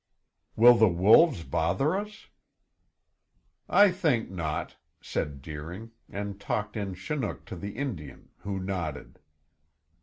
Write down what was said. "Will the wolves bother us?" "I think not," said Deering and talked in Chinook to the Indian, who nodded.